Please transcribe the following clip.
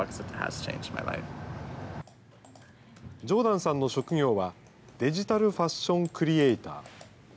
ジョーダンさんの職業は、デジタルファッションクリエイター。